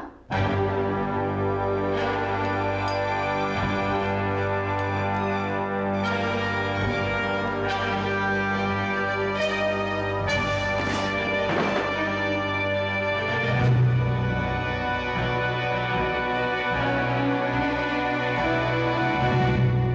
kamu mau bunuh raka